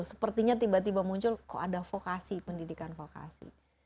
sepertinya tiba tiba muncul kok ada vokasi pendidikan vokasi